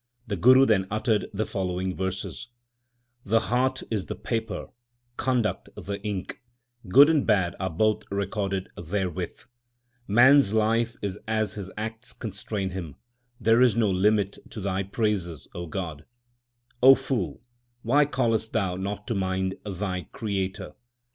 The Guru then uttered the following verses : The heart is the paper, conduct the ink ; l good and bad are both recorded therewith. Man s life is as his acts constrain him ; there is no limit to Thy praises, O God. O fool, why callest thou not to mind Thy Creator